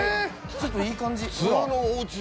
ちょっといい感じほら。